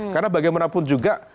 karena bagaimanapun juga